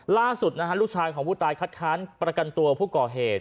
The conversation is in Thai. ล่าสุดนะฮะลูกชายของผู้ตายคัดค้านประกันตัวผู้ก่อเหตุ